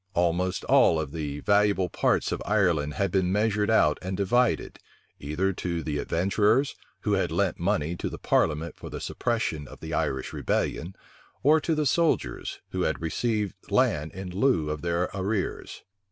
Almost all the valuable parts of Ireland had been measured out and divided, either to the adventurers, who had lent money to the parliament for the suppression of the Irish rebellion, or to the soldiers, who had received land in lieu of their arrears.